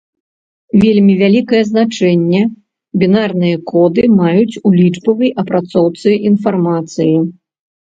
Вельмі вялікае значэнне бінарныя коды маюць у лічбавай апрацоўцы інфармацыі.